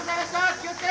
気をつけ！